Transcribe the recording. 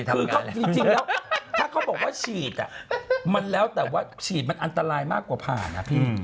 ถ้าเขาบอกว่าฉีดอ่ะมันแล้วแต่ว่าฉีดมันอันตรายมากกว่าผ่านอ่ะพี่